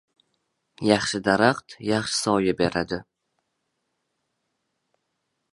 • Yaxshi daraxt yaxshi soya beradi.